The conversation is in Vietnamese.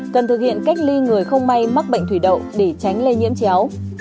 cần thực hiện cách ly người không may mắc bệnh thủy đậu để tránh lây nhiễm chéo